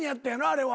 あれは。